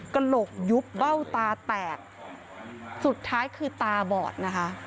กระโหลกยุบเบ้าตาแตกสุดท้ายคือตาบอดนะคะ